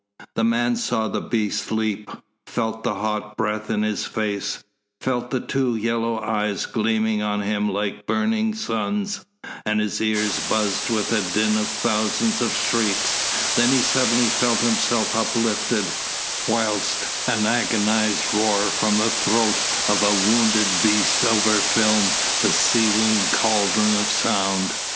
The man saw the beast's leap, felt the hot breath in his face, felt the two yellow eyes gleaming on him like burning suns, and his ears buzzed with the din of thousands of shrieks; then he suddenly felt himself uplifted, whilst an agonised roar from the throat of a wounded beast overfilled the seething cauldron of sound.